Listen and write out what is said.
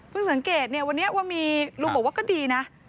เพิ่งสังเกตวันนี้ว่ามีลุงบอกว่าก็ดีนะ